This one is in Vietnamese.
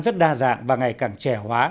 rất đa dạng và ngày càng trẻ hóa